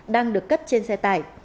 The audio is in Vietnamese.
đang được cất trên xe tải